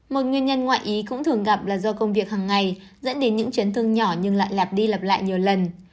một nguyên nhân ngoại ý cũng thường gặp là do công việc hằng ngày dẫn đến những chấn thương nhỏ nhưng lại lặp đi lặp lại nhiều lần